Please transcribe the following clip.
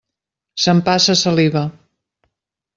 S'empassa saliva.